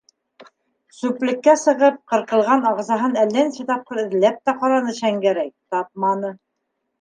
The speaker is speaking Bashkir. Сүплеккә сыгып, ҡырҡылған ағзаһын әллә нисә тапҡыр эҙләп тә ҡараны Шәңгәрәй - тапманы.